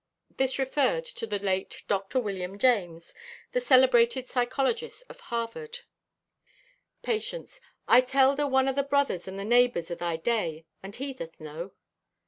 This referred to the late Dr. William James, the celebrated psychologist of Harvard. Patience.—"I telled a one o' the brothers and the neighbors o' thy day, and he doth know."